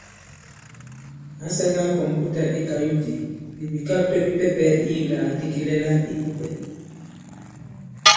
Ǎ sālā kɔ̀mputà i kayute nì bìkakto bipɛpɛ iyīklàgàdi kilɛla ī pupɛ̀.